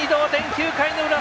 ９回の裏！